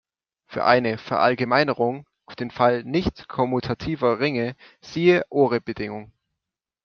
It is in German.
Für eine Verallgemeinerung auf den Fall nicht-kommutativer Ringe siehe Ore-Bedingung.